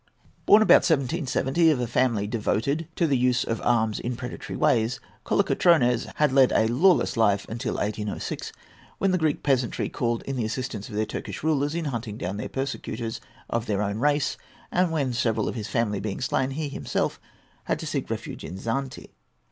Born about 1770, of a family devoted to the use of arms in predatory ways, Kolokotrones had led a lawless life until 1806, when the Greek peasantry called in the assistance of their Turkish rulers in hunting down their persecutors of their own race, and when, several of his family being slain, he himself had to seek refuge in Zante.